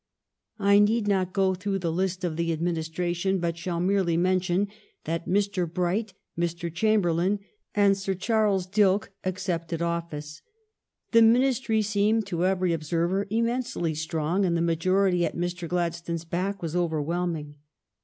I need not go through the list of the adminis tration, but shall merely mention that Mr. Bright, Mr. Chamberlain, and Sir Charles Dilke accepted office. The ministry seemed to every observer immensely strong, and the majority at Mr. Glad stone s back was overwhelming.